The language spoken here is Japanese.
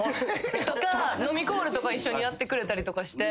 とか飲みコールとか一緒にやってくれたりとかして。